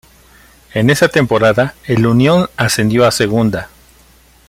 En esa temporada el Unión ascendió a segunda.